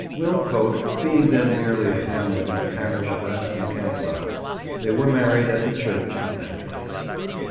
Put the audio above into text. Wilmcote being then merely a hamlet in the parish of Aston Cantlow, they were married at the church of that place.